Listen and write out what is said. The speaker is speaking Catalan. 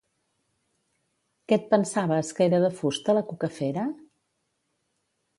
Què et pensaves, que era de fusta la cucafera?